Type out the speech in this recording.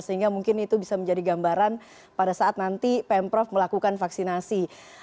sehingga mungkin itu bisa menjadi gambaran pada saat nanti pemprov melakukan vaksinasi